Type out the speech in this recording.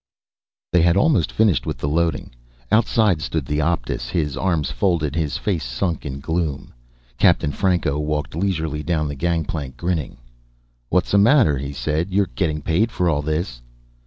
_ They had almost finished with the loading. Outside stood the Optus, his arms folded, his face sunk in gloom. Captain Franco walked leisurely down the gangplank, grinning. "What's the matter?" he said. "You're getting paid for all this."